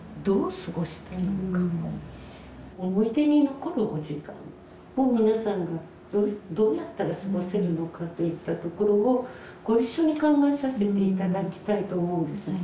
思い出に残るお時間を皆さんがどうやったら過ごせるのかといったところをご一緒に考えさせて頂きたいと思うんです。